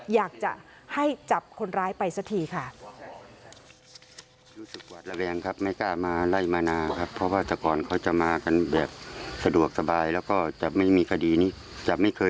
อยากจะให้จับคนร้ายไปสักทีค่ะ